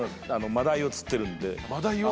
マダイを狙ってるんですか？